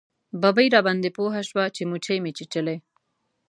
ببۍ راباندې پوه شوه چې موچۍ مې چیچلی.